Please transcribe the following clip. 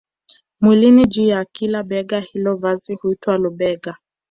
mwilini juu ya kila bega hilo vazi huitwa lubega